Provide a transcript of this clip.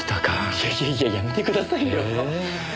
いやいやいややめてくださいよ。